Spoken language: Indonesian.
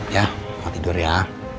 ya mau tidur ya